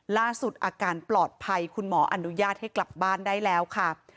ล่าสุดอาการปลอดภัยคุณหมออนุญาตให้กลับบ้านได้แล้วค่ะ